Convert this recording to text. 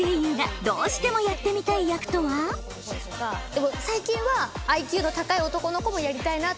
でも最近はＩＱの高い男の子もやりたいなと思って。